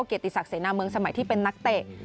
เกียรติศักดิเสนาเมืองสมัยที่เป็นนักเตะ